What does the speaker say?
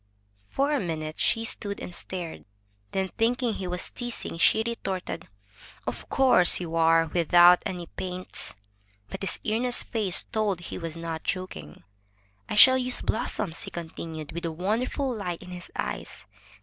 For a minute she stood and stared. Then, thinking he was teasing, she retorted: "Of course you are, without any paints!*' But his earnest face told he was not joking. "I shall use blossoms," he continued, with a wonderful light in his eyes.